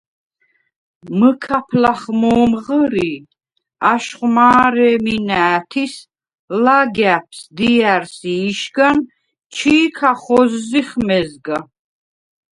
მჷქაფ ლახ მო̄მ ღჷრი, აშხვ მა̄რე̄მი ნა̄̈თის – ლაგა̈ფს, დია̈რს ი იშგან ჩი̄ ქახოზზიხ მეზგა.